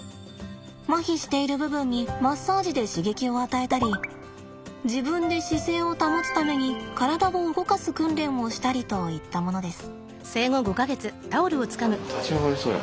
まひしている部分にマッサージで刺激を与えたり自分で姿勢を保つために体を動かす訓練をしたりといったものです。